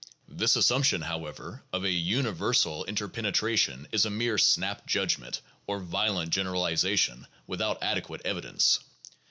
13 This assumption, however, of a uni versal interpretation is a mere snap judgment or violent generaliza tion without adequate evidence.